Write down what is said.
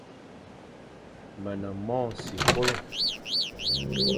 Me ne mong sikolo.